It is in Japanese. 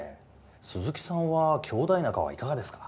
鈴木さんは兄弟仲はいかがですか？